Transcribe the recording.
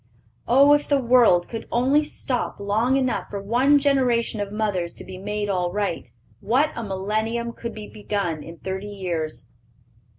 Oh, if the world could only stop long enough for one generation of mothers to be made all right, what a Millennium could be begun in thirty years!"